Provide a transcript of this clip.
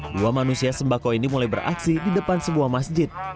dua manusia sembako ini mulai beraksi di depan sebuah masjid